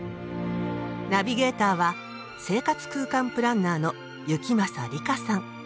ナビゲーターは生活空間プランナーの行正り香さん。